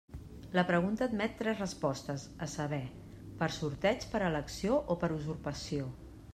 La pregunta admet tres respostes, a saber, per sorteig, per elecció o per usurpació.